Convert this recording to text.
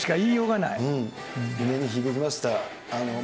胸に響きました。